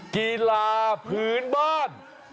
กีฬาพื้นบ้าน